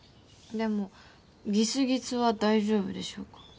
でもぎすぎすは大丈夫でしょうか？